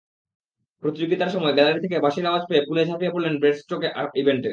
প্রতিযোগিতার সময় গ্যালারি থেকে বাঁশির আওয়াজ পেয়ে পুলে ঝাঁপিয়ে পড়লেন ব্রেস্টস্ট্রোক ইভেন্টে।